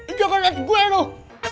lo jangan liat gue loh